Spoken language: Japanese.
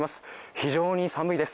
非常に寒いです。